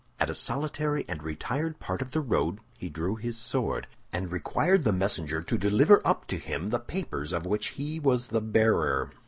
At a solitary and retired part of the road he drew his sword, and required the messenger to deliver up to him the papers of which he was the bearer.